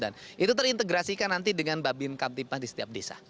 dan itu terintegrasikan nanti dengan babin kaptipah di setiap desa